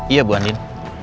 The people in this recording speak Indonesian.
iya bu andin